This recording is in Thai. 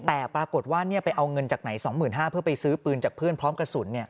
แต่ปรากฏว่าไปเอาเงินจากไหน๒๕๐๐บาทเพื่อไปซื้อปืนจากเพื่อนพร้อมกระสุน